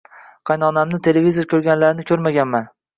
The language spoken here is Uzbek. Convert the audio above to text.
Qaynonamlarni televizor koʻrganlarini koʻrmaganman.